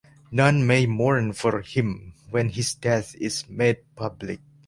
None may mourn for him when his death is made public.